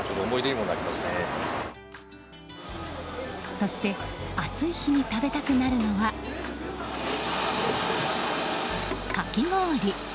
そして暑い日に食べたくなるのは、かき氷。